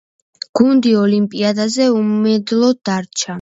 გუნდი ოლიმპიადაზე უმედლოდ დარჩა.